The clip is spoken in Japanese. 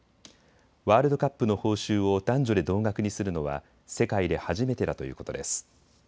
ワールドカップの報酬を男女で同額にするのは世界で初めてだということです。